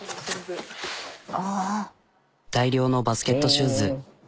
大量のバスケットシューズ。